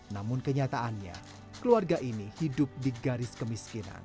namun kenyataannya keluarga ini hidup di garis kemiskinan